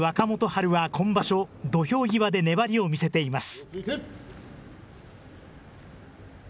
春は今場所土俵際で粘りを見せています。